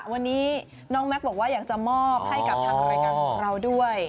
วันนี้น้องแม็กซ์บอกว่าอยากจะมอบให้กับทางรายการของเราด้วย